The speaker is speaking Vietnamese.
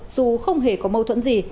dù không hề có mâu thuẫn gì